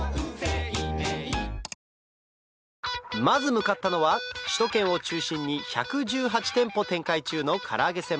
まず向かったのは首都圏を中心に１１８店舗展開中のから揚げ